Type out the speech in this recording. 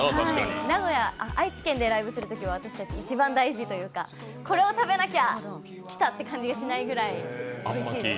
愛知県でライブするときは私たち一番大事というか、これを食べなきゃ来たって感じがしないぐらい好きです。